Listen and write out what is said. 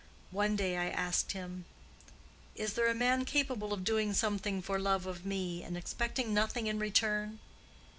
One day I asked him, 'Is there a man capable of doing something for love of me, and expecting nothing in return?